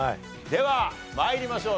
では参りましょう。